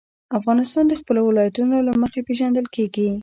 افغانستان د خپلو ولایتونو له مخې پېژندل کېږي.